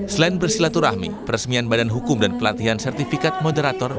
selain bersilaturahmi peresmian badan hukum dan pelatihan sertifikat moderator